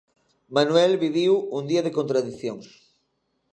Manuel viviu un día de contradicións.